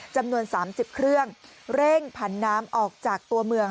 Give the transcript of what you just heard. จำนวน๓๐เครื่องเร่งผันน้ำออกจากตัวเมือง